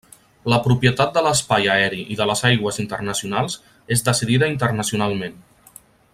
La propietat de l'espai aeri i de les aigües internacionals és decidida internacionalment.